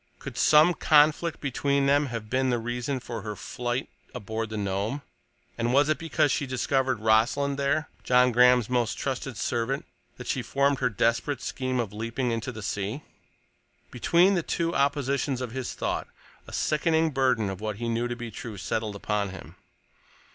Could some conflict between them have been the reason for her flight aboard the Nome, and was it because she discovered Rossland there—John Graham's most trusted servant—that she formed her desperate scheme of leaping into the sea? Between the two oppositions of his thought a sickening burden of what he knew to be true settled upon him.